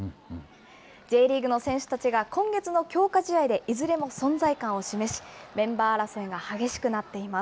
Ｊリーグの選手たちが、今月の強化試合でいずれも存在感を示し、メンバー争いが激しくなっています。